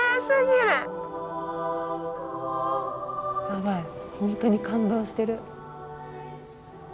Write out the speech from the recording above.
やばい本当に感動してる。